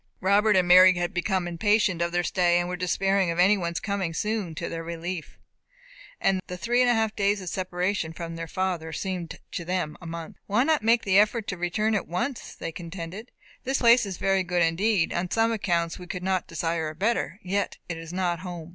Robert and Mary had become impatient of their stay, and were despairing of any one's coming soon to their relief. The three and a half days of separation from their father seemed to them a month. "Why not make the effort to return at once?" they contended. "This place is very good indeed; on some accounts we could not desire a better; yet it is not home."